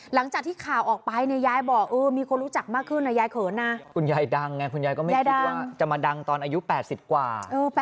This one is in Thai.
หลังจากที่ข่าวออกไปเนี่ยยายบอกเออมีคนรู้จักมากขึ้นนะยายเขินนะคุณยายดังไงคุณยายก็ไม่คิดว่าจะมาดังตอนอายุ๘๐กว่า